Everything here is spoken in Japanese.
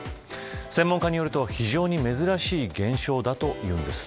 専門家によると非常に珍しい現象だというんです。